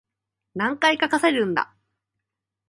何回かかせるんだ